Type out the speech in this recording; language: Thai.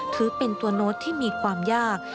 ถือเป็นตัวโน้ตที่มีความยาก